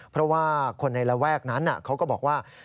เพราะว่าคนในระแวกนั้นเขาก็บอกว่า